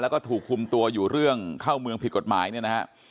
แล้วก็ถูกคุมตัวอยู่เรื่องเข้าเมืองผิดกฎหมายเนี่ยนะฮะ